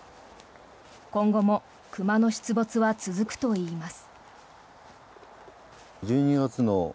今後も熊の出没は続くといいます。